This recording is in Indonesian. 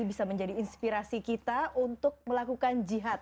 bisa menjadi inspirasi kita untuk melakukan jihad